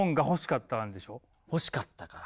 欲しかったから？